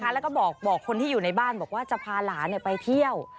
แล้วก็บอกคนที่อยู่ในบ้านบอกว่าจะพาหลานไปเที่ยว